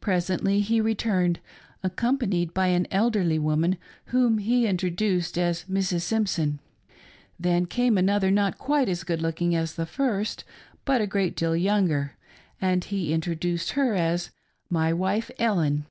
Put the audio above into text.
Presently he returned accompanied by an elderly woman whom he introduced as Mrs. Simpson. Then came another, not quite as good looking as the first, but a great deal younger, and he introduced her as " My wife Ellen.